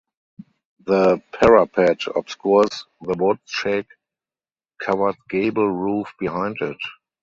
The parapet obscures the wood shake covered gable roof behind it.